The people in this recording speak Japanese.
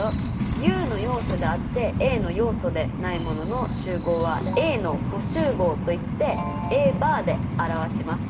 Ｕの要素であってＡの要素でないものの集合はＡの補集合といってＡバーで表します。